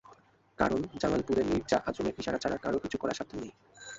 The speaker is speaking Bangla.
কারণ, জামালপুরে মির্জা আজমের ইশারা ছাড়া কারও কিছু করার সাধ্য নেই।